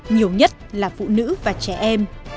nhiều nhất là phụ nữ và trẻ em